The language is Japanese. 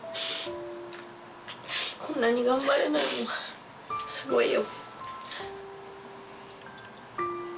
こんなに頑張れるのはすごいよ。